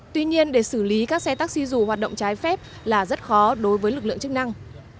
tuy nhiên để xử lý các xe taxi dù hoạt động trái phép là rất khó đối với lực lượng chức năng